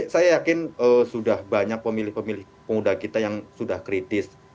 saya yakin sudah banyak pemilih pemilih pemuda kita yang sudah kritis